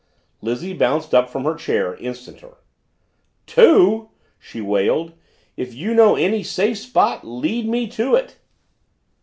Lizzie bounced up from her chair, instanter. "Two?" she wailed. "If you know any safe spot, lead me to it!"